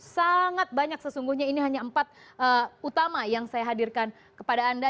sangat banyak sesungguhnya ini hanya empat utama yang saya hadirkan kepada anda